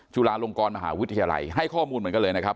จุฬาลงกรมหาวิทยาลัยให้ข้อมูลเหมือนกันเลยนะครับ